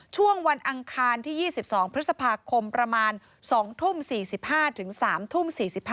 ช่วงวันอังคารที่๒๒พฤษภาคมประมาณ๒ทุ่ม๔๕๓ทุ่ม๔๕